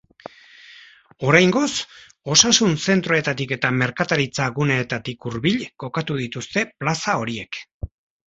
Oraingoz, osasun zentroetatik eta merkataritza guneetatik hurbil kokatu dituzte plaza horiek.